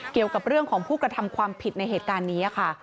เกี่ยวกับเรื่องของผู้กระทำความผิดในเหตุการณ์นี้ค่ะ